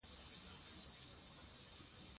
بامیان د افغانستان د فرهنګي فستیوالونو برخه ده.